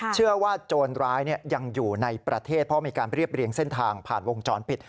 เชื่อว่าโจรร้ายยังอยู่ในประเทศเพราะมีการเรียบเรียงเส้นทางผ่านวงจรปิด